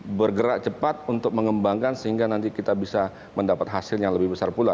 kita bergerak cepat untuk mengembangkan sehingga nanti kita bisa mendapat hasil yang lebih besar pula